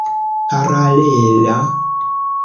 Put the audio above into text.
paralela